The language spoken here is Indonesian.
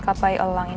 kamuamps bti tersentang